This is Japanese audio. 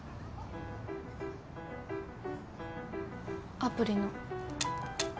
アプリの。